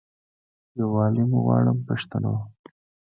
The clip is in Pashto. یووالی مو غواړم پښتنو.